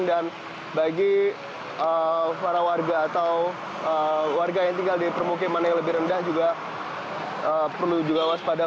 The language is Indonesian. dan bagi para warga atau warga yang tinggal di permukiman yang lebih rendah juga perlu juga waspadai